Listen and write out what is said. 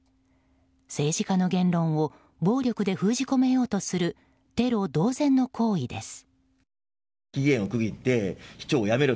政治家の言論を暴力で封じ込めようとするテロ同然の行為です。